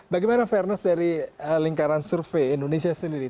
jadi apa yang terjadi dari lingkaran survei indonesia sendiri